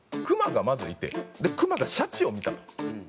クマがまずいてクマがシャチを見たと。